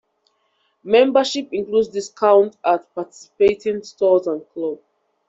Membership includes discounts at participating stores and clubs.